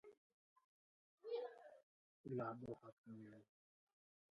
It forms part of the London Borough of Hillingdon.